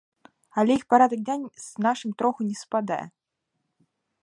Але іх парадак дня з нашым троху не супадае.